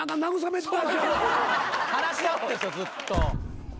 話し合ってんすよずっと。